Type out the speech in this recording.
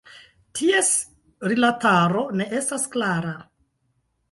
Ties rilataro ne estas klara.